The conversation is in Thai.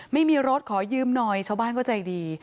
ไม่มีรถขอยืมหน่อยชาวบ้านก็ใจดี